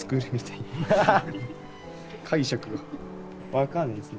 分かんないっすね。